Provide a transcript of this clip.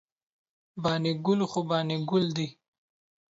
بانی ګل خو بانی ګل داي